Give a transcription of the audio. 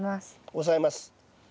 押さえます。